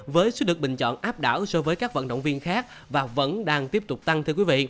với sự được bình chọn áp đảo so với các vận động viên khác và vẫn đang tiếp tục tăng